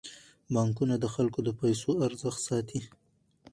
بانکونه د خلکو د پيسو ارزښت ساتي.